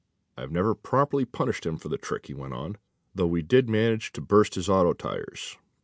"I've never properly punished him for that trick," he went on, "though we did manage to burst his auto tires.